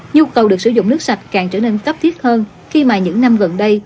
nhu cầu được sử dụng nước sạch càng trở nên cấp thiết hơn khi mà những năm gần đây